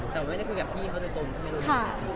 แต่ไม่ได้คุยกับพี่เค้าตัวตนใช่ไหม